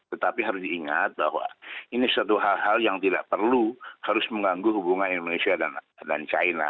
tetapi harus diingat bahwa ini suatu hal hal yang tidak perlu harus mengganggu hubungan indonesia dan china